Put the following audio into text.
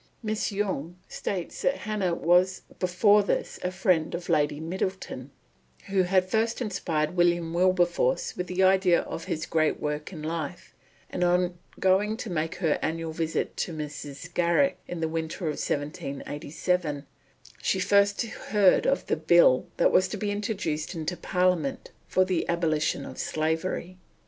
Miss Yonge states that Hannah was before this a friend of Lady Middleton, "who had first inspired William Wilberforce with the idea of his great work in life; and on going to make her annual visit to Mrs. Garrick in the winter of 1787, she first heard of the Bill that was to be introduced into Parliament for the abolition of slavery."